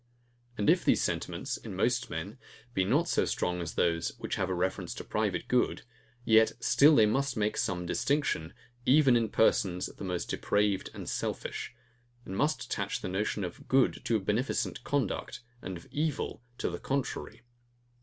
And if these sentiments, in most men, be not so strong as those, which have a reference to private good; yet still they must make some distinction, even in persons the most depraved and selfish; and must attach the notion of good to a beneficent conduct, and of evil to the contrary.